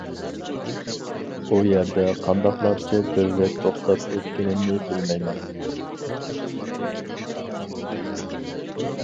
ئۇ يەردە قانداقلارچە بىر رەت توختاپ ئۆتكىنىمنى بىلمەيمەن.